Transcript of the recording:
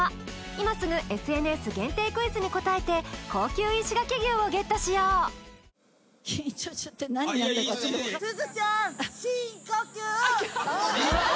今すぐＳＮＳ限定クイズに答えて高級石垣牛をゲットしよういやいいです